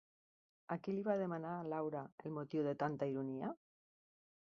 A qui li va demanar Laura el motiu de tanta ironia?